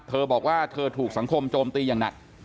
เธอบอกว่าเธอถูกสังคมโจมตีอย่างหนัก